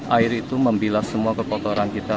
air itu membilas semua kekotoran kita